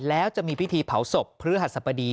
แล้วจะมีพิธีเผาศพพฤหัสบดี